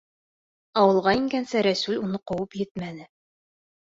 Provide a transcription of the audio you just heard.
Ауылға ингәнсе Рәсүл уны ҡыуып етмәне.